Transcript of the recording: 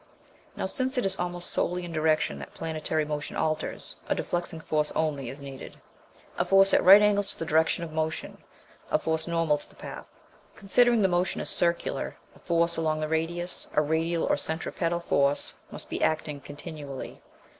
Now since it is almost solely in direction that planetary motion alters, a deflecting force only is needed; a force at right angles to the direction of motion, a force normal to the path. Considering the motion as circular, a force along the radius, a radial or centripetal force, must be acting continually.